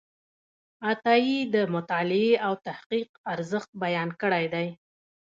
عطایي د مطالعې او تحقیق ارزښت بیان کړی دی.